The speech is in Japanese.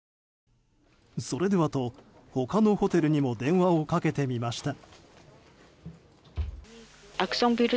それではと、他のホテルにも電話をかけてみました。